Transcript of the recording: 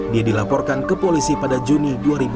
dia dilaporkan ke polisi pada juni dua ribu dua puluh